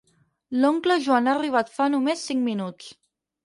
L'oncle Joan ha arribat fa només cinc minuts.